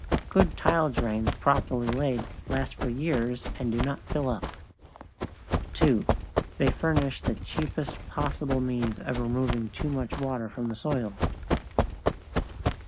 Good tile drains properly laid last for years and do not fill up. 2. They furnish the cheapest possible means of removing too much water from the soil.